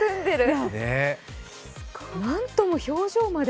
なんとも表情まで。